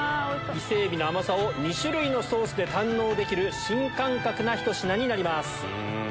イセエビの甘さを２種類のソースで堪能できる新感覚なひと品になります。